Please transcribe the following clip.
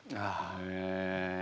へえ。